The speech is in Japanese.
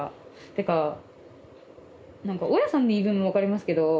てか何か大家さんの言い分も分かりますけど。